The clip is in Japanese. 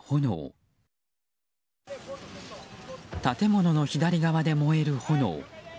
建物の左側で燃える炎。